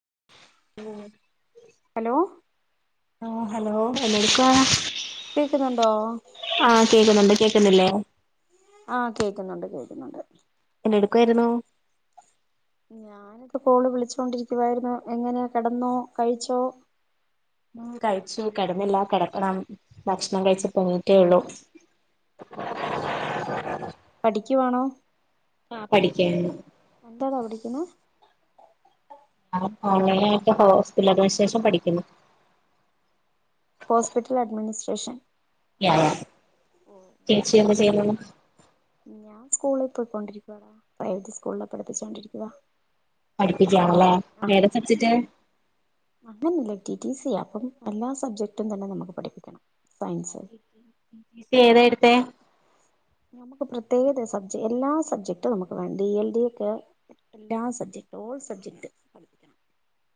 [unintelligible] Hello ആ hello എന്നെടുക്കുവാ കേക്കുന്നു ആ ആ കേക്കുന്നുണ്ട് കേക്കുന്നില്ലേ? ആ കേക്കുന്നുണ്ട് കേക്കുന്നുണ്ട്. ടുക്കുവായിരുന്നു. ഞാനത് കോള് വിളിച്ചോണ്ടിരിക്കുവായിരുന്നു. എങ്ങനെ കിടന്നോ? കഴിച്ചോ? ഉം കഴിച്ചു കിടന്നില്ല കിടക്കണം ഭക്ഷണം കഴിച് പൊങ്ങിട്ടേ ഉള്ളു പഠിക്കുവാണോ ആ പഠിക്കയാണ് മ് ഞാൻ ഓൺലൈനയിട്ട് ഹോസ്പിറ്റൽ അഡ്മിനിസ്ട്രേഷൻ പഠിക്കുന്നു. Hospital administration. ചേച്ചിയും കൊച്ചു ചെയ്യുന്നു. ഞാൻ സ്കൂളിൽ പോയിക്കൊണ്ടിരിക്കുവടാ പ്രൈവറ്റ് സ്കൂളിൽ പഠിപ്പിച്ചോണ്ടിരിക്കവാ പഠിപ്പിക്കാണല്ലേ ഏതാ സബ്ജക്റ്റ് അങ്ങനല്ല ടി അപ്പം എല്ലാ സബ്ജക്ടും തന്നെ നമുക്ക് പഠിപ്പിക്കണം. സയൻസ് ഏതായെടുത്തെ നമുക്ക് പ്രത്യേക സബ്ജ എല്ലാ സബ്ജക്ട് നമുക്ക് വേണം ഡി എൽ ഡി യൊക്കെ എല്ലാ സബ്ജക്ട് ഓൾ സബ്ജക്ട്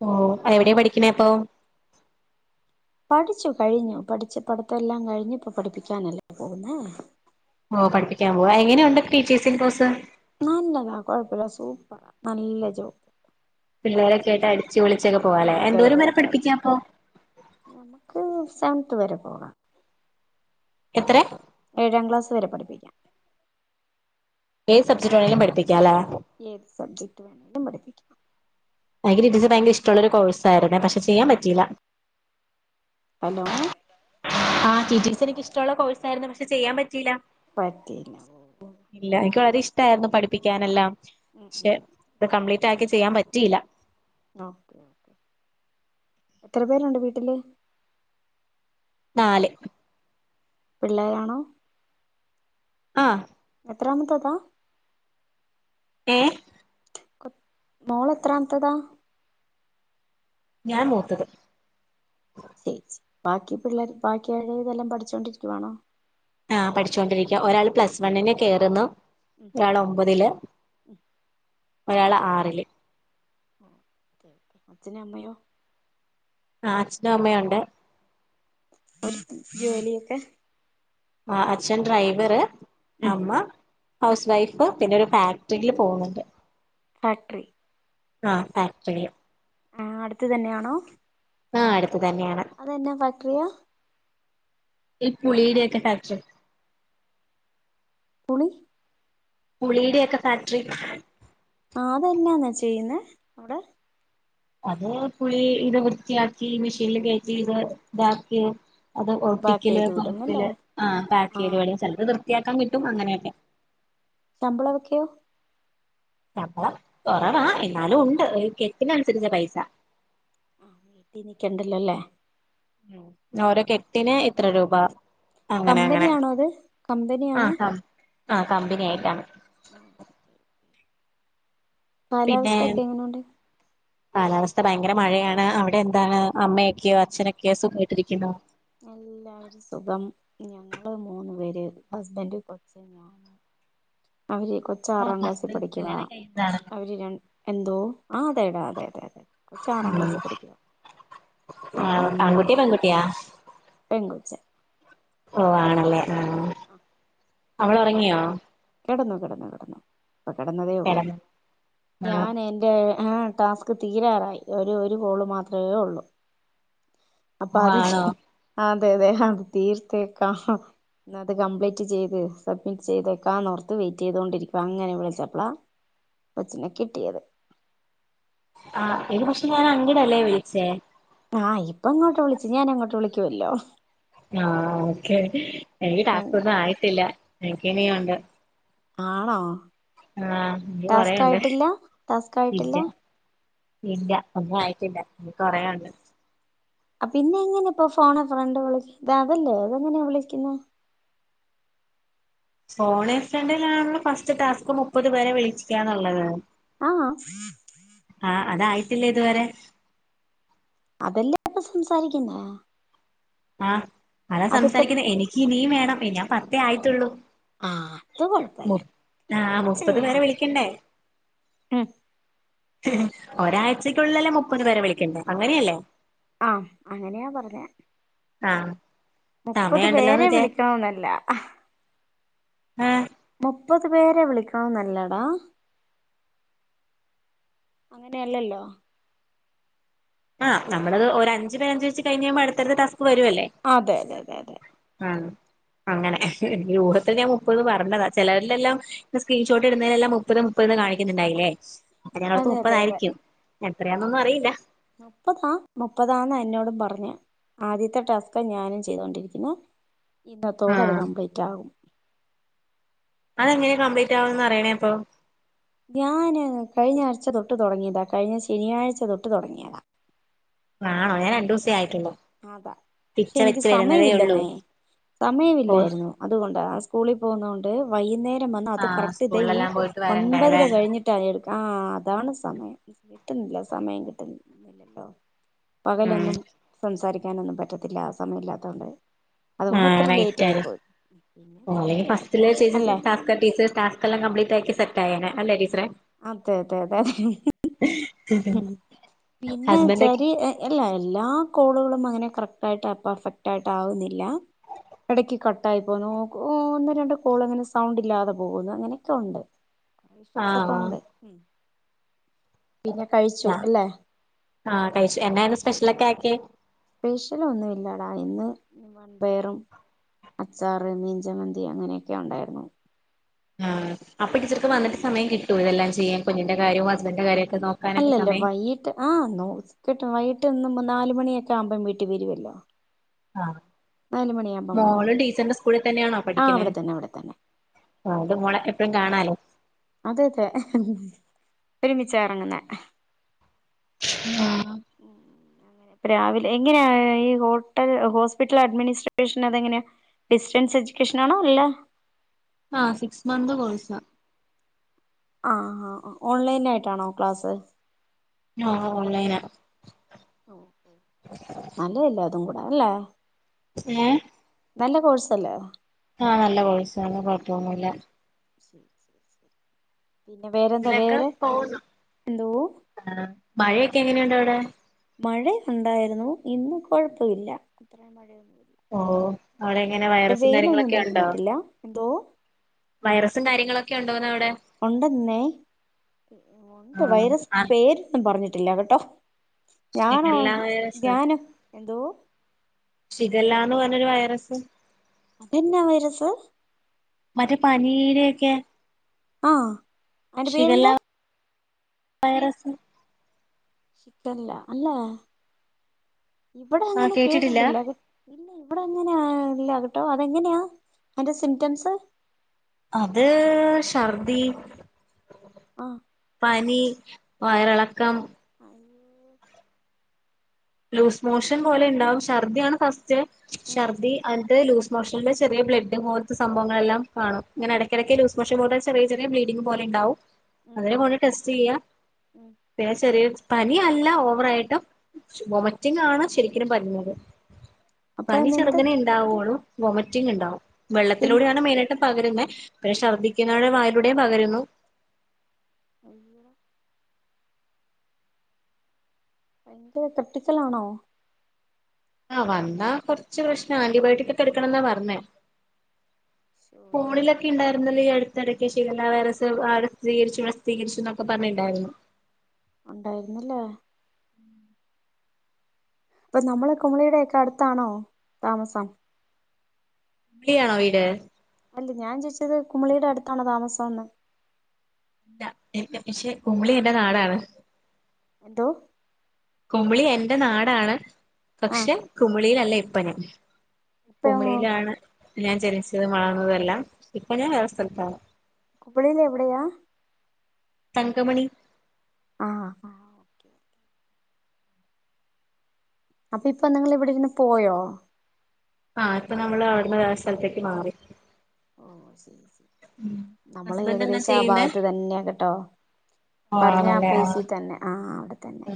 ഓ എവിടെയാ പഠിക്കണേപ്പൊ പഠിച്ചു കഴിഞ്ഞു പഠിച്ചു പടുത്തം എല്ലാം കഴിഞ്ഞു ഇപ്പൊ പഠിപ്പിക്കാനല്ലേ പോകുന്നേ ഓ പടിപ്പിക്കാൻ പോവാ എങ്ങനെയൊണ്ട് ടീച്ചേഴ്സിങ്ങ് കോസ് നല്ലതാ കൊഴപ്പില്ല സൂപ്പറാ നല്ല ജോബ് പിള്ളേരൊക്കെ ടീച്ചർ. ആയിട്ട് അടിച്ചു പൊളിച്ചൊക്കെ പോവാലെ അതെ എന്തോര അതെ വരെ അതെ പഠിപ്പിക്കാപ്പൊ ത്ത് വരെ പോകാം എത്ര ഏഴാം ക്ലാസ്സ് വരെ പഠിപ്പിക്കാം ഏത് സബ്ജക് വേണേലും പഠിപ്പിക്കാലേ ഏത് സബ്ജെക്റ്റ് വേണേലും പട്പ്പിക്കാം ഭയങ്കര [unintelligible] ഭയങ്കര ഇഷ്ടമുള്ളൊരു കോഴ്സായിരുന്നേ പക്ഷെ ചെയ്യാൻ പറ്റീല ഹലോ ആഹ് ടീചേഴ്സ് എനിക്ക് ഇഷ്ടുള്ള കോഴ്സ് ആയിരുന്നു പക്ഷെ ചെയ്യാൻ പറ്റിയില്ല പറ്റിയില്ല ഓ ഇല്ല എനിക്കാദ്യം ഇഷ് ഇഷ്ടായിരുന്നു പഠിപ്പിക്കാനെല്ലാം ഉം ഉം പക്ഷെ കംപ്ലീ റ്റാക്കി ചെയ്യാൻ പറ്റിയില്ല ഓ എത്ര പേരുണ്ട് വീട്ടില് നാല് പിള്ളേരാണോ ആഹ് എത്രാമത്തതാ ഏ മോള എത്രാമത്തതാ ഞാൻ മൂത്തത് ചേച്ചി ബാക്കി പിള്ളേർ ബാക്കി എല്ലാരും പഠിച്ചോണ്ടിരിക്കുവാണോ ആഹ് പഠിച്ചൊണ്ടിരിക്കയ ഒരാൾ പ്ലസ് വണ്ണിനെ കേറുന്നു ഒരാള് ഒമ്പതില് ഒരാള് ആറില്. അച്ഛനു അമ്മയോ? ആ അച്ഛനും അമ്മയൊണ്ട്. [unintelligible] ജോലിയൊക്കെ? ആ അച്ഛൻ ഡ്രൈവറ് അമ്മ ഹൗസ് വൈഫ് പിന്നെ ഒരു ഫാക്ടറിയില് പോകുന്നുണ്ട്. ഫാക്ട്രി. ആ ഫാക്ടറില്. ആ അടുത്ത് തന്നെയാണോ? ആ അടുത് അതെന്നാ ഫാക്ടറിയാ? ഈ പുളിയുടെയൊക്കെ [unintelligible] പുളി? പുളിയുടെ ഒക്കെ ഫാക്ട്രി. ആ അതെന്നാന്നെ ചെയ്യുന്നേ അവിടെ? അത് പുളി ഇത് വൃത്തിയാക്കി മെഷീനിൽ കേറ്റി ഇത് ഇതാക്കി അത് പാക്ക് ഒട്ടിക്കല് ചെയ്ത് വിടും അല്ലേ പുറത്തില് ആ പാക്ക് ആ ചെയ്ത ചെലത് വൃത്തിയാക്കൻ കിട്ടും അങ്ങനെയൊക്കെ. ശമ്പളവൊക്കെയോ? ശമ്പളം കൊറവാ എന്നാലും ഉണ്ട് കെട്ടിനനുസരിച്ച പൈസ. ആ വീട്ടി നിക്കണ്ടല്ലോല്ലേ? ഉം ഒരോ കെട്ടിന് ഇത്ര രൂപ. അങ്ങനെ അങ്ങനെ കമ്പനിയാണോ അത് ആ കമ്പനിയാണോ ആ ആ കമ്പനി ആയിട്ട. കാലാവസ്ഥയോക്കെ എങ്ങനുണ്ട്? കാലാവസ്ഥ ഭയങ്കര മഴയാണ് അവിടെ എന്താണ് അമ്മയൊക്കെയോ അച്ഛനൊക്കെയോ സുഖയിട്ടിരിക്കുന്നോ? മൂന്നു പേര് ഹസ്ബന്റ് കൊച്ച് ഞാന്. അവര് കൊച്ച് ഓ ആറാം ക്ലാസ്സിൽ ഹസ്ബൻഡ് പഠിക്കുവ കല്യാണം കഴിഞ്ഞതാണ് അവര് ര എന്തോ ആ അതെടാ അതെ അതെ അതെ കൊച്ച് ആറാം ക്ലാസ്സിൽ ഉം പഠിക്കുവ അപ്പം ആൺകുട്ടിയാ പെൺകുട്ടിയാ പെങ്കോ ച്ചെ ഓ ആണല്ലേ? ആ അവളോറങ്ങിയോ? കെടന്നു കെടന്നു കെടന്നു. ഇപ്പ കിടന്നതേ ഉള്ളു, കിടന്ന് ആണോ ഞാന് എന്റെ ആ ടാസ്ക് തീരാറായി ഒരേ ഒരു ഗോള് മാത്രവേ ഉള്ളു. അപ്പ ഓ അത് ആണോ ആ അതെ അതെ അത് തീർത്തേക്കാം ന്നത് കംപ്ലീറ്റ് ചെയ്ത് സബ്മിറ്റ് ചെയ്തെ ക്കാനോർത്ത് വെയിറ്റ് ചെയ്തോണ്ടിരിക്കുവ അങ്ങനെ വിളിച്ചപ്പള കൊച്ചിനെ കിട്ടിയത്. ആ ഇത് പക്ഷെ ഞാൻ അങ്ങിടല്ലേ വിളിച്ചേ? ആ ഇപ്പ ഇങ്ങോട്ട് വിളിച്ചു ഞാൻ അങ്ങോട്ട് വിളിക്കുവല്ലോ. ആഹ ഓക്കെ എനിക്ട്ടാസ്കൊ ന്നും ആയിട്ടില്ല എനിക്ക്നി വാണ്ട ആണോ ഇനി ടാസ്ക് കൊറേയുണ്ട് ആയിട്ടില്ല ടാസ്ക് ആയിട്ടില്ല ഇല്ല ഇല്ല ഒന്നും ആയിട്ടില്ല കൊറേയുണ്ട് പിന്നെ എങ്ങനെ ഇപ്പൊ ഫോണെഫ്രണ്ട് വിളി ഇത് അതല്ലേ അത എങ്ങനെ വിളിക്കുന്ന ഫോണേ ഫ്രണ്ടിലാണലോ ഫസ്റ്റ് ടാസ്ക് മുപ്പത് പേരെ വിളിച്ചിക്കാന്നുള്ളത് ആഹ ആ അതായിട്ടില്ലേ ഇതുവരെ അതെല്ലാം ഇപ്പൊ സംസാരിക്കുന്നേ ആഹ് അതാ അതിപ്പോ സംസാരിക്കുന്നത് എനിക്ക് ഇനിയും വേണം ഇന പത്തേ ആയിത്തുള്ളു ആഹ അത് കൊഴപ്പല്ല ആ അത് മുപ്പത് ചെയ്യാം പേരെ വിളിക്കണ്ടേ ഉം ഒരാഴ്ചക്കുള്ളല്ലേ മുപ്പത് പരെ വിളിക്കണ്ടേ അങ്ങനെയല്ലേ ആഹ അങ്ങനെയാ പറഞ്ഞെ ആഹ് മുപ്പത് സമയമുണ്ടല്ലോന്ന് പേരെ വിചാ വിളിക്കണോന്നല്ല ആഹ് മുപ്പത് പേരെ വിളിക്കണം എന്നല്ലടാ അങ്ങനെയല്ലല്ലോ ആ നമ്മളത് ഒരു അഞ്ച പേരഞ്ച് വെച്ച് കഴിഞ്ഴുമ്പോ അടുത്തത് ടാസ്ക് ഇപ്പ വരുല്ലേ അതെ അതെ അതെ അതെ ആ അങ്ങനെ എ ഊഹത്തിൽ ഞാൻ മുപ്പത് പറഞ്ഞതാ ചിലരിലെല്ലാം സ്ക്രീൻഷോട്ട് ഇടുന്നേനെല്ലാം മുപ്പത് മുപ്പതതെന്ന് കാണിക്കുന്നുണ്ടായില്ലേ അപ്പ ഞാനോർത്തു അതെ അതെ അതെ മുപ്പതായിരിക്കും എത്രയാന്നൊന്നും അറിയില്ല മുപ്പതാ മുപ്പതാന്ന എന്നോടും പറഞ്ഞ ആദ്യത്തെ ടാസ്ക് ഞാനും ചെയ്തൊണ്ടിരിക്കുന്നു ഇന്നത്തോട് അത് ആഹ് കംപ്ലീറ്റ് ആകും അതെങ്ങനെയാ കംപ്ലീറ്റ് ആവന്ന് അറിയണേ അപ്പൊ ഞാന് കഴിഞ്ഞ ആഴ്ച തൊട്ട് തുടങ്ങിയതാ കഴിഞ്ഞ ശനിയാഴ്ച തൊട്ട് തുടങ്ങിയതാ ആണോ ഞൻ രണ്ടു ദിവസം ആയി് അതാ പക്ഷെ എനിക്ക് വരുന്നതേ ഉള്ളൂ സമയമില്ലെന്നേ ഓഹ് സമയമില്ലായിരുന്നു അതുകൊണ്ട സ്കൂളിൽ പോകുന്നൊണ്ട് വൈകുന്നേരം അത് ആഹ് കറക് ഇത ഈ സ്കൂളിലെല്ലാം പോയിട്ട് വരണ്ടേല്ലേ ഒൻപതിലുംര കഴിഞ്ഞിട്ടാണ് ആയാലും ആഹ അതാണ് സമയം കിട്ടുന്നില്ല സമയം കിട്ടുന്നില്ലല്ലോ ഉം പകലൊന്നും സംസാരിക്കാനൊന്നും പറ്റത്തില്ല സമയമ ഇല്ലാത്ത കൊണ്ട് ആ ലൈറ്റ് ആയി പിന്നെ ഓല് ചെയ്യാം ഫസ്റ്റിലെ ചെയ്തു അല്ലെ ടാസ്ക്കൊക്കെ ടാസ്ക് ഒക്കെ കമ്പ്ലീറ്റ് ആക്കി സെറ്റാ [unintelligible] അല്ലേ ടീച്ചറെ അതെ അതെ അതെ അതെ ഉം പിന്നെ ഹസ്ബൻഡ് ഒക്കെ വെച്ചാര് എ എല്ലാ കോളുകളും അങ്ങനെ കറക്റ്റയിട്ട് പർഫറ്റയിട്ടാകുന്നില്ല എടക്ക് കട്ടായി പോന്നു ഒന്ന് രണ്ട് കോൾ അങ്ങനെ സൗണ്ട് ഇല്ലാതെ പോകുന്നു അങ്ങനെക്കെ ഒണ്ട് ആഹ് സൊക്കെണ്ട് ഞ അല്ലേ ആ കഴ്ച് എന്നാര്ന്ന് സ്പെഷ്യലൊക്കെ [unintelligible] സ്പെഷ്യലൊന്നുമില്ലടാ ഇന്ന് വൺപയറും അച്ചാറ് മീഞ്ചമന്തി അങ്ങനെയൊക്കെ ഉണ്ടാരുന്നു ആ അപ്പ ടീച്ചർക്ക് വന്നട്ട് സമയം കിട്ടുവോഇതെല്ലാം ചെയ്യാൻ കുഞ്ഞിന്റെ കാര്യവും ഹബൻഡന്റെ കാര്യ അല്ലല്ല വൈയിട്ട് ആ നോ കിട്ടും വൈ [unintelligible] നാലുമണിയൊക്കെ ആമ്പോം വീട്ടിൽ വരുവല്ലോ ആ നാല് മണിയാകുമ്പം മോളും വന്നേക്കും ടീച്ചറിന്റെ സ്കൂളിൽ തന്നെയാണോ ആ പഠിക്കണ അവിടെ തന്നെ അവിടെ തന്നെ അണ്ട് മോളെ എപ്പഴും കാണാലേ അതെ അതെ ഒരുമിച്ച ഇറങ്ങ്ന്നേ ആ രാവിലെ എങ്ങനെയാ ഈ ഹോട്ടൽ ഹോസ്പിറ്റൽ അഡ്മിനിസ്ട്രേഷൻ അതെങ്ങനെയാ ഡിസ്റ്റൻസ് എഡ്യൂക്കേഷൻ ആണോ അല്ല ങ സിക്സ് മന്ത് കോഴ്സ. ആ ആ ഓൺലൈനായിട്ടാണോ ക്ലാസ്. ആ ഓൺലൈന. ഓ നല്ലതല്ല. തും കൂടല്ലേ? ഏ നല്ല കോഴ്സല്ലേ ആ നല്ല കോഴ്സാണ് കൊഴപ്പൊന്നുല്ല വേരെന്താ ഇതിലൊക്കെ വേരെ പോകുന്നു എന്തോ ക്കെങ്ങന്ണ്ടവ്ടെ മഴ ഇണ്ടായിരുന്നു ഇന്ന് കൊഴപ്പയില്ല ഓ അവടെ എങ്ങനെ വൈറസും വെയിലൊന്നും കാര്യങ്ങളൊക്കെ ഉണ്ടോ തെളിഞ്ഞിട്ടില്ല എന്തോ വൈറസും കാര്യങ്ങളൊ ഉണ്ടെന്നെ ണ്ട് ആഹ് വൈറസ് ആഹ് പേരും പറഞ്ഞിട്ട ല്ല കേട്ടോ ഞനോ ഷിഗല്ല വൈറസ് ഞാന് എന്തോ ശിഖെല്ലന്ന് പർഞ്ഞൊരു വൈറസ് എന്നാ വൈറസ് മറ്റേ പനീരെക്കെ ആ അയ്ന്റെ പേരെന്താ? വൈറസ് ശിഗല്ല അല്ലേ ഇവടെ അങ്ങനെ കേട്ടിട്ടില്ല കെ ഇവടെ ങ്ങനാ ഇല്ലാട്ടോ അതെങ്ങനെയാ അതിന്റെ സിംറ്റംസ് അത് ഛർദി, ആഹ് പനി, വയറിളക്കം, ലൂസ് മോഷൻ പോലെ ഉണ്ടാവും ഛർദ്ദിയാണ് ഫസ്റ്റ് ഉം ഛർദി അൻട്ട് ലൂസ് മോഷൻല് ചെറിയ ബ്ലഡ് പോലത്തെ സംഭവങ്ങളെല്ലാം കാണും. ഇങ്ങനെ ഇടയ്ക്കിടക്ക് ലൂസ് മോഷൻ പോലെ ചെറിയ ചെറിയ ബ്ലീഡിങ്ങ് പോലെ ഉണ്ടാവും. ഉം അതിനെ കൊണ്ട് ടെസ്റ്റ് ചെയ്യാ. ഉം പിന്നെ ചെറിയ ഒരു പനി അല്ല ഓവറായിട്ടും വൊമറ്റിംഗ് ആണ് ശരിക്കനും വരുന്നത്. അപ്പൊ പനി അതിനെന്താ ചെറുങ്ങനെ ഇണ്ടാവോളൂ. വോമിറ്റിംഗ് ഉണ്ടാവും പിൻ വെള്ളത്തിലൂടെയാണ് മെയിനായിട്ട് പകരുന്നെ. പിന്നെ ഛർദ്ദിക്കുന്നവരുടെ വായിലൂടെയും പകരുന്നു ഭയങ്കര ക്രിട്ടിക്കലാണോ ആ വന്നാ കൊറച്ച് പ്രശ്നാ. ആന്റിബയോട്ടിക് ഒക്കെ എടുക്കണന്നാ പറഞ്ഞേ ഫോണിലൊക്കെ ഉണ്ടായിരുന്നല്ലോ ഈ അടുത്തിടക്ക് ഷിഗെല്ല വൈറസുകൾ സ്ഥിതികരിച്ചു പ്രസിദ്ധീകരിച്ചു എന്നൊക്കെ പറഞ്ഞ് ഉണ്ടായിരുന്നു ഉണ്ടായിരുന്നില്ലേ അപ്പൊ നമ്മള് കുമളിടെയൊക്കെ അടുത്താണോ താമസം ക്കിയാണോ വീട് അല്ല ഞാൻ ചോയിച്ചത് കുമളിയുടെ അടുത്താണോ താമസോന്ന് അല്ല എന്ന പക്ഷെ കുമളി എന്റെ നാടാണ് എന്തോ കുമളി എന്റെ നാടാണ് ആഹ് പക്ഷെ കുമിളിയിലല്ലേ ഇ ഇപ്പനേ ഇപ്പമോ കുമളിയിലാണ് ഞാൻ ജനിച്ചതും വളർ അതെല്ലാം ഇപ്പൊ ഞാൻ വേറെ സ്ഥലത്താണ് കുമളിയില് എവിടെയാ തങ്കമണി ആ അപ്പൊ ഇപ്പൊ നിങ്ങൾ ഇവിടെ ഇരുന്ന് പോയോ ആ ഇപ്പൊ നമ്മള് അവിടുന്ന് വേറെ സ്ഥലത്തേക്ക് മാറി ഓ ശരി ശരി ഉം നമ്മള് ഹസ്ബൻഡ് എന്നാ ഏകദേശം ആ ചെയ്യുന്നേ ഭാഗത്ത് തന്നെയാ കെട്ടോ ആഹ് പറഞ്ഞ ആ ആണല്ലേ ആഹ് പ്ലേസി തന്നെ ആ അവിടെ തന്നെ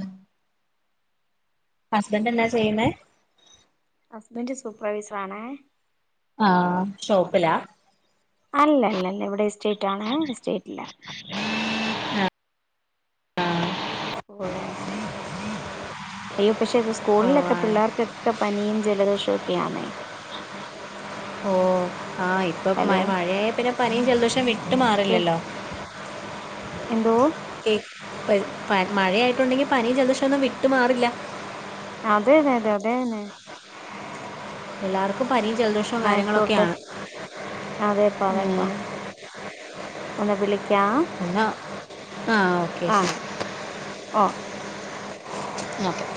ഹസ്ബൻ്റ് എന്താ ചെയ്യുന്നേ? ഹസ്ബൻറ് സൂപ്പർവൈസറാണേ ആ ഷോപ്പിലാ അല്ല അല്ല അല്ല ഇവിടെ എസ്റ്റേറ്റ് ആണ് എസ്റ്റേറ്റില പുഴങ്ങനെ അയ്യോ പക്ഷേ ഇ ഓഹ് സ്കൂളിലൊക്കെ ആണ് പിള്ളേർക്കൊക്കെ പനിയും ജലദോഷവും ക്കേ ആണെ ഓ ആഹ് ഇപ്പൊ ഹലോ മഴയെ പിന്നെ പനിയും ജലദിവഷം വിട്ട് മാറില്ലല്ലോ എന്തോ പനി മഴയായിട്ടുണ്ടെങ്കി പനി ജലദോശൊന്നും വിട്ടു മാറില്ല അതെതെ അതെ അതെന്നെ എല്ലാർക്കും അതെ പനി ജലദോഷവും ആയിക്കോട്ടെ കാര്യങ്ങളൊക്കെയാണ് അതേപ്പാ ഉം അതേപ്പാ [unintelligible] എന്നാ വിളിക്കാം എന്നാ ആഹ് ഓക്കെ ശരി ആയിക്ക ഓ. ഓക്കെ.